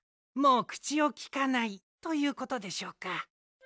もうくちをきかない！ということでしょうか。